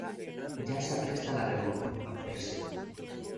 Ya se apresta la Revolución francesa.